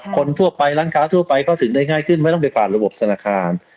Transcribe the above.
คนทั่วไปร้านค้าทั่วไปเข้าถึงได้ง่ายขึ้นไม่ต้องไปผ่านระบบธนาคาร